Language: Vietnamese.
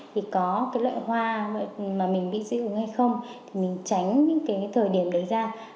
thì có cái loại hoa mà mình bị dị ứng hay không thì mình tránh những cái thời điểm đấy ra